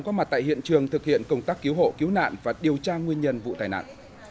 có mặt tại hiện trường thực hiện công tác cứu hộ cứu nạn và điều tra nguyên nhân vụ tai nạn